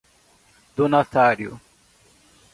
donatário